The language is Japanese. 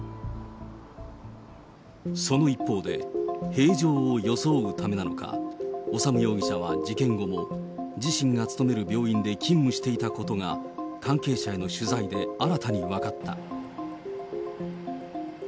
その一方で、平常を装うためなのか、修容疑者は事件後も、自身が勤める病院で勤務していたことが関係者への取材で新たに分かった。